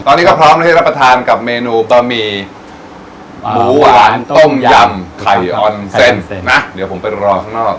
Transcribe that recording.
ตอนนี้ก็พร้อมที่จะรับประทานกับเมนูบะหมี่หมูหวานต้มยำไข่ออนเซนนะเดี๋ยวผมไปรอข้างนอก